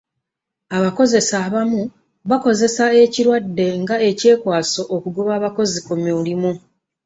Abakozesa abamu bakozesa ekirwadde nga ekyekwaso okugoba abakozi ku mulimu.